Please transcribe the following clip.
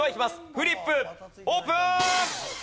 フリップオープン！